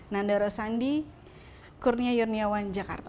nanda rosandi kurnia yurniawan jakarta